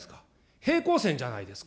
平行線じゃないですか。